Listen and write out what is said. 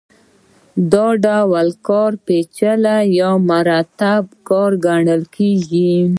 دا ډول کار پېچلی یا مرکب کار ګڼل کېږي